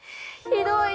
ひどい！